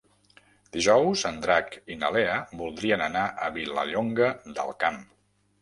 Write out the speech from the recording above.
Dijous en Drac i na Lea voldrien anar a Vilallonga del Camp.